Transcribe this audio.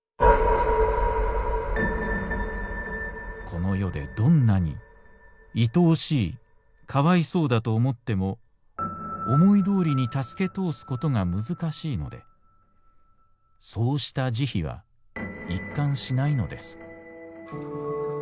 「この世でどんなにいとおしいかわいそうだと思っても思いどおりに助け通すことが難しいのでそうした慈悲は一貫しないのです」。